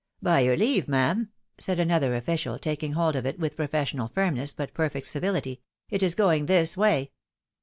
" By your leave, ma'am," said another official, taking hold of it with professional firmness, but perfect civiUty, " it is going this way."